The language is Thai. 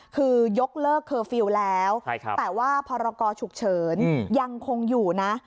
คือยกเลิกแสลงแล้วใช่แต่ว่าภารกอฉุกเฉินยังคงอยู่นะ